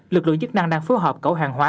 lực lượng chức năng đang phối hợp cẩu hàng hóa